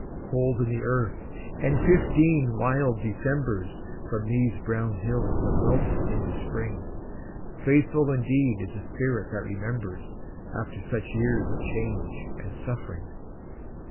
Cold in the earth, and fifteen wild Decembers From these brown hills have melted into Spring. Faithful indeed is the spirit that remembers After such years of change and suffering!